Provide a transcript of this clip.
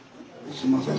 すいません